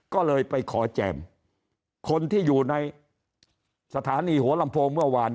ก็เลยไปขอแจมคนที่อยู่ในสถานีหัวลำโพงเมื่อวาน